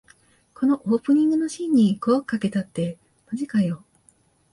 このオープニングのシーンに五億かけたってマジかよ